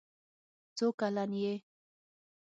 څو کلن یې؟